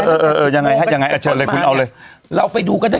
เออเออยังไงฮะยังไงอ่ะเชิญเลยคุณเอาเลยเราไปดูก็ได้